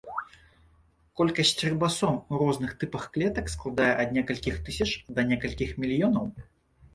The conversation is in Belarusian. Колькасць рыбасом у розных тыпах клетак складае ад некалькіх тысяч да некалькіх мільёнаў.